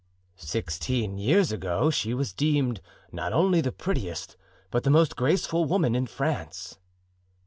"Sixteen years ago she was deemed not only the prettiest, but the most graceful woman in France."